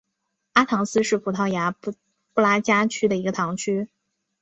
阿唐斯是葡萄牙布拉加区的一个堂区。